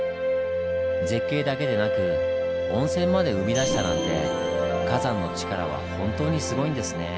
絶景だけでなく温泉まで生み出したなんて火山の力は本当にすごいんですねぇ。